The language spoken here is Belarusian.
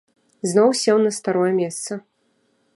Зноў сеў на старое месца.